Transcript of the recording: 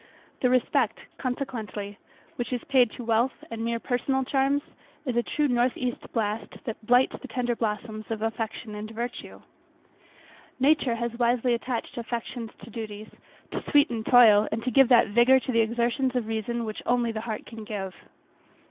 The respect, consequently, which is paid to wealth and mere personal charms, is a true north east blast, that blights the tender blossoms of affection and virtue. Nature has wisely attached affections to duties, to sweeten toil, and to give that vigour to the exertions of reason which only the heart can give.